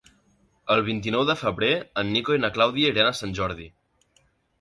El vint-i-nou de febrer en Nico i na Clàudia iran a Sant Jordi.